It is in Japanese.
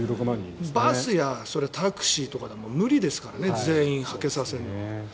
バスやタクシーとかでも無理ですからね全員はけさせるのは。